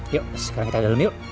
yuk sekarang kita dalam yuk